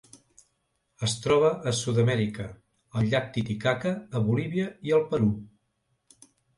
Es troba a Sud-amèrica: el llac Titicaca a Bolívia i el Perú.